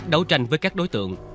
đấu tranh với các đối tượng